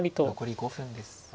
残り５分です。